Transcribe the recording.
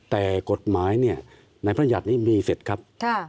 แต่กฎหมายเนี่ยในพระยัตินี้มีเสร็จครับ